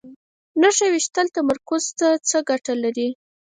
نښه ویشتل تمرکز ته څه ګټه لري؟